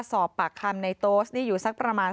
สอบปากคำในโต๊สนี่อยู่สักประมาณ